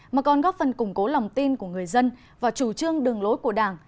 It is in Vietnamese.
mà còn góp phần củng cố lòng tin của người dân và chủ trương đường lối của đảng